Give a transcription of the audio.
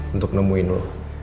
untuk nemuin lo